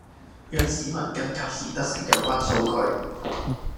讓市民更及時得悉有關數據